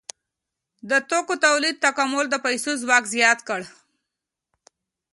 د توکو تولید تکامل د پیسو ځواک زیات کړ.